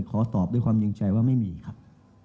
ขอตอบด้วยความจริงใจว่าไม่มีครับ